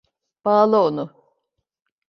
Bağla onu.